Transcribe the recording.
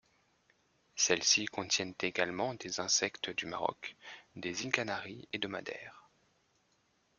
Celles-ci contiennent également des insectes du Maroc, des îles Canaries et de Madère.